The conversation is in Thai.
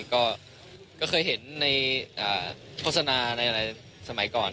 ก็เคยเห็นในโฆษณาในสมัยก่อน